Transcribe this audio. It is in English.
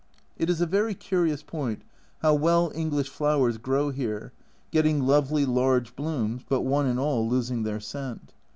It is a very curious point, how well English flowers grow here, getting lovely large blooms, but one and all losing their scent.